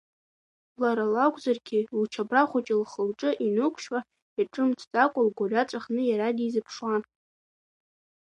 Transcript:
Лара лакәзаргьы, лчабра хәыҷы лхы-лҿы инықәшьуа, иҿымҭӡакәа, лгәырҩа ҵәахны иара дизыԥшуан.